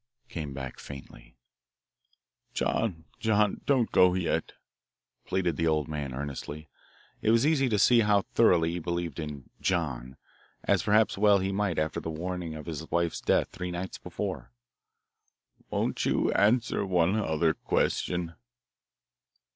Rap! rap! came back faintly: "John, John, don't go yet," pleaded the old man earnestly. It was easy to see how thoroughly he believed in "John," as perhaps well he might after the warning of his wife's death three nights before. "Won't you answer one other question?"